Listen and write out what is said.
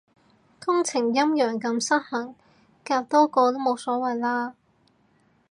工程陰陽咁失衡，夾多個都冇所謂啦